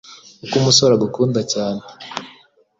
Uko umusore agukunda cyane